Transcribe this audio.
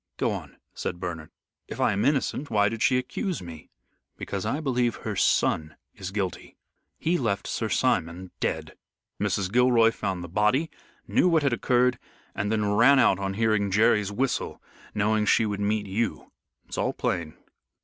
"Go on," said Bernard. "If I am innocent, why did she accuse me?" "Because I believe her son is guilty. He left Sir Simon dead. Mrs. Gilroy found the body, knew what had occurred, and then ran out on hearing Jerry's whistle knowing she would meet you. It's all plain."